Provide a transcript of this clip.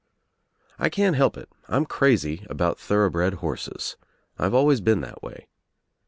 P I can't help it, I'm crazy about thoroughbred horses. I've always been that way.